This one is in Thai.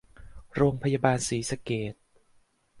โรงพยาบาลศรีสะเกษ